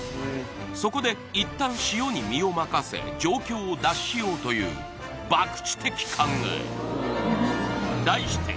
そこで一旦潮に身を任せ状況を脱しようというばくち的考え題して